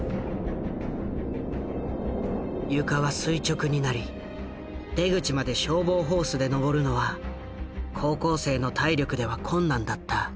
床は垂直になり出口まで消防ホースで登るのは高校生の体力では困難だった。